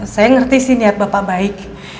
saya ngerti sih niat bapak baik